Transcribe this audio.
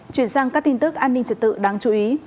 chuyển sang các tin tức an ninh trật tự đáng chú ý